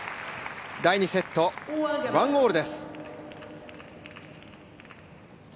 第２セット、ワンオールです。